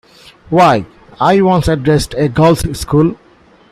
Why, I once addressed a girls' school.